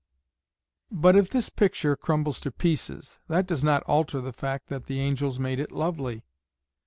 "But if this picture crumbles to pieces, that does not alter the fact that the angels made it lovely."